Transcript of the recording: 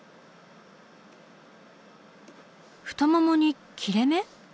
太ももに切れ目？